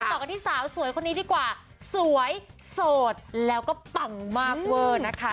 ต่อกันที่สาวสวยคนนี้ดีกว่าสวยโสดแล้วก็ปังมากเวอร์นะคะ